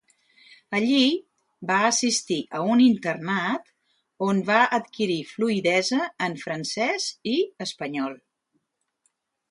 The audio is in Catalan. Allí va assistir a un internat on va adquirir fluïdesa en francès i espanyol.